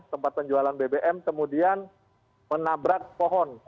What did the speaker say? tempat penjualan bbm kemudian menabrak pohon